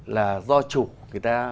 là do chủ người ta